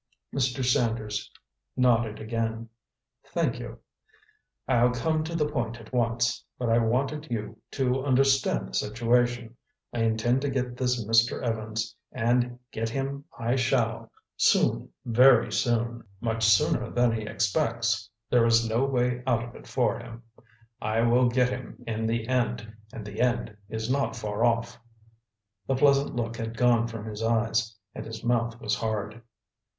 Mr. Sanders nodded again. "Thank you. I'll come to the point at once, but I wanted you to understand the situation. I intend to get this Mr. Evans, and get him I shall. Soon—very soon. Much sooner than he expects. There is no way out of it for him. I will get him in the end, and the end is not far off." The pleasant look had gone from his eyes, and his mouth was hard.